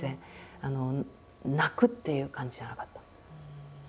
あの泣くっていう感じじゃなかった。